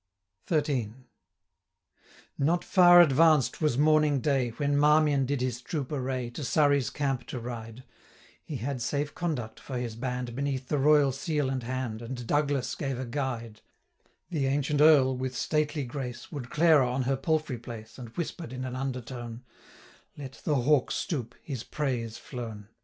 XIII. Not far advanced was morning day, 380 When Marmion did his troop array To Surrey's camp to ride; He had safe conduct for his band, Beneath the royal seal and hand, And Douglas gave a guide: 385 The ancient Earl, with stately grace, Would Clara on her palfrey place, And whisper'd in an under tone, 'Let the hawk stoop, his prey is flown.'